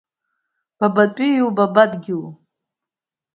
Бабатәиу, бабадгьылу?